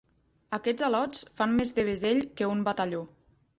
Aquests al·lots fan més devessell que un batalló!